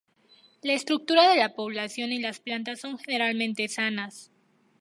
La estructura de la población y las plantas son generalmente sanas.